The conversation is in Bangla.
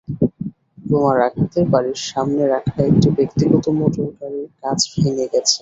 বোমার আঘাতে বাড়ির সামনে রাখা একটি ব্যক্তিগত মোটরগাড়ির কাচ ভেঙে গেছে।